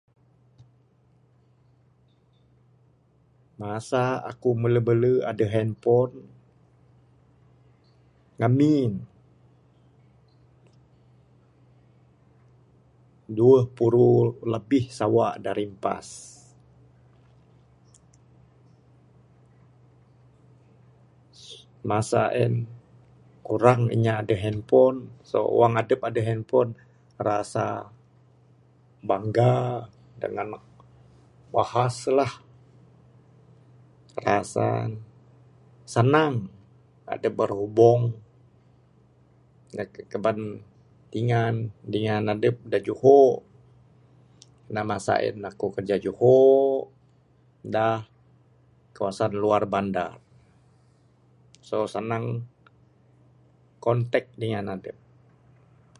Masa eku bele-bele edeh handphone, ngemi, dueh puru lebih suwak de rimpas. Masa en, kurang inya edeh handphone, so wong edep edeh handphone, rasa bangga dengan nak bahas lah, rasa, senang edep berhubung na ngaban dingan, dingan edep da juhok, nak masa en eku kerja juhok, da kawasan luar bandar. So, senang kontak dingan edep.